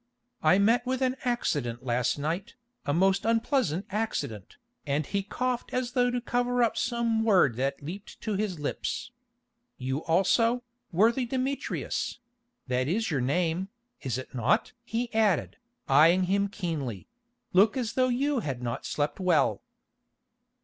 I met with an accident last night, a most unpleasant accident," and he coughed as though to cover up some word that leapt to his lips. "You also, worthy Demetrius—that is your name, is it not?" he added, eyeing him keenly—"look as though you had not slept well."